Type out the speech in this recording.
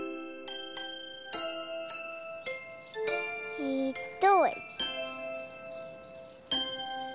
えっと。